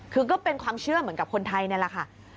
คือก็เป็นความเชื่อเหมือนกับคนไทยนี่แหละค่ะ